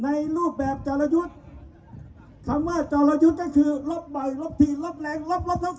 ในรูปแบบจรยุทธ์คำว่าจรยุทธ์ก็คือลบบ่อยลบผิดลบแรงลบลบลบ